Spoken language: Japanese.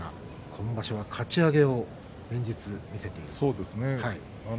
今場所は、かち上げを連日、見せている高安ですね。